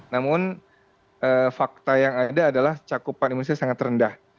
namun fakta yang ada adalah cakupan imunisasi sangat rendah